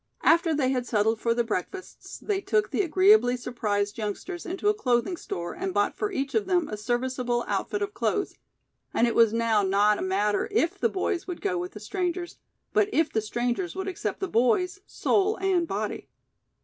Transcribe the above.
After they had settled for their breakfasts, they took the agreeably surprised youngsters into a clothing store and bought for each of them a serviceable outfit of clothes, and it now was not a matter if the boys would go with the strangers, but if the strangers would accept the boys, soul and body.